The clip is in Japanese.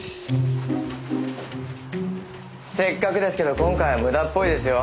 せっかくですけど今回は無駄っぽいですよ。